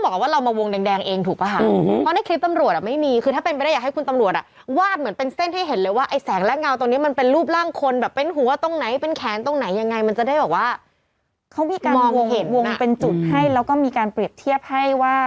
เค้ามีการวงเป็นจุดให้แล้วก็มีการเปรียบเทียบให้ว่า